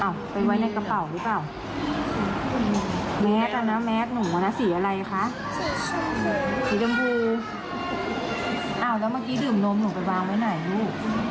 อ้าวแล้วเมื่อกี้ดื่มนมหนูไปวางไว้ไหนครู